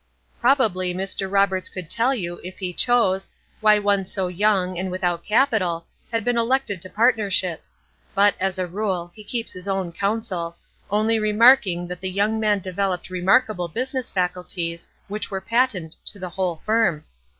Probably Mr. Roberts could tell you, if he chose, why one so young, and without capital, had been elected to partnership; but, as a rule, he keeps his own counsel, only remarking that the young man developed remarkable business faculties which were patent to the whole firm.